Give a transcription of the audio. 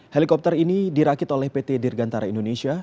helikopter ini dirakit oleh pt dirgantara indonesia